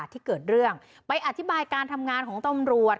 ที่เกิดเรื่องไปอธิบายการทำงานของตำรวจ